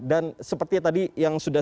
dan seperti tadi yang sudah